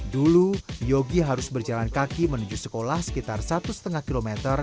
dulu yogi harus berjalan kaki menuju sekolah sekitar satu lima km